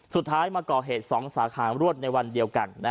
สุดท้ายมาก่อเหตุ๒สาขารวดในวันเดียวกัน